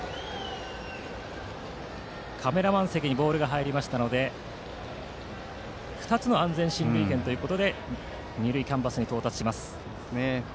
カメラマン席にボールが入りましたので２つの安全進塁権ということで二塁キャンバスに到達します。